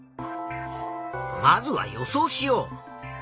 まずは予想しよう。